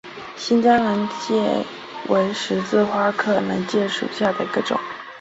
新疆南芥为十字花科南芥属下的一个种。